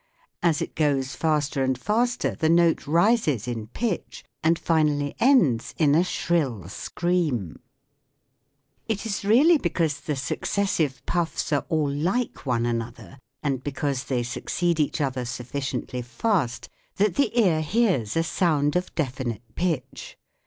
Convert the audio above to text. As it goes faster and faster the note rises in pitch and finally ends in a shrill scream. SOUND IN MUSIC 35 It is really because the successive puffs are all like one another, and because they succeed each other sufficiently fast, that the ear hears a sound of definite pitch.